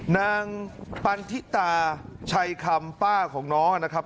นางปันทิตาชัยคำป้าของน้องนะครับ